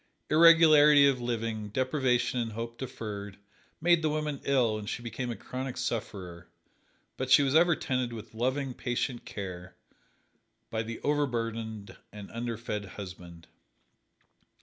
Irregularity of living, deprivation and hope deferred, made the woman ill and she became a chronic sufferer. But she was ever tended with loving, patient care by the overburdened and underfed husband.